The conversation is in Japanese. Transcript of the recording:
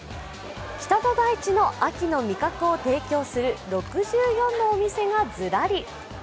北の大地の秋の味覚を提供する６４の店がずらり。